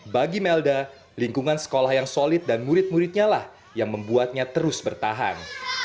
bagi melda lingkungan sekolah yang solid dan murid muridnya lah yang membuatnya terus bertahan